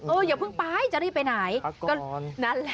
เอออย่าเพิ่งพ้ายจะได้ไปไหนพักก่อน